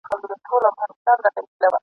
خواږه یاران وه پیالې د مُلو !.